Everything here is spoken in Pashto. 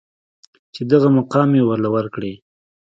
چې دغه مقام يې ورله ورکړې.